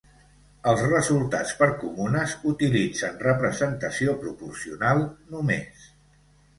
Els resultats per comunes utilitzen representació proporcional només.